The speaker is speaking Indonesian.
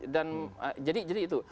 dan jadi itu